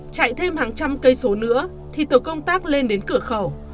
chạy thêm hàng trăm cây số nữa thì tổ công tác lên đến cửa khẩu